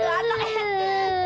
ya allah ketian amat ya